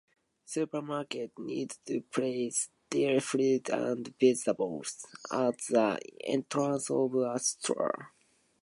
Supermarkets need to place their fruit and vegetables at the entrance of a store.